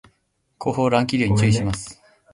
後方乱気流に注意します